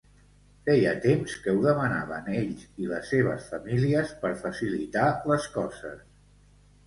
Feia temps que ho demanaven ells i les seves famílies per facilitar les coses.